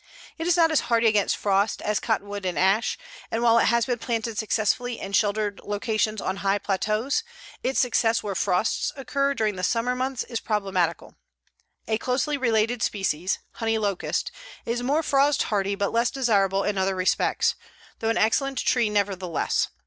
It is not as hardy against frost as cottonwood and ash, and while it has been planted successfully in sheltered locations on high plateaus, its success where frosts occur during the summer months is problematical. A closely related species, honey locust, is more frost hardy but less desirable in other respects, though an excellent tree nevertheless.